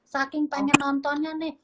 saking pengen nontonnya nih